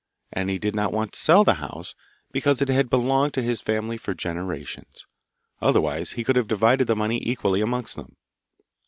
And he did not want to sell the house, because it had belonged to his family for generations; otherwise he could have divided the money equally amongst them.